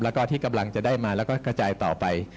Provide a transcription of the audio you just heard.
แล้วก็ที่กำลังจะได้มาแล้วก็กระจายต่อไป